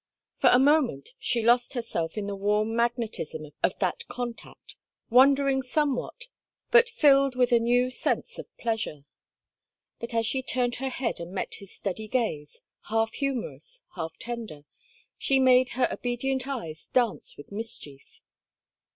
For a moment she lost herself in the warm magnetism of that contact, wondering somewhat, but filled with a new sense of pleasure. But as she turned her head and met his steady gaze, half humorous, half tender, she made her obedient eyes dance with mischief.